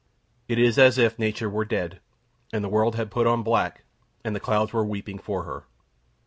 It is as if nature were dead, and the world had put on black, and the clouds were weeping for her.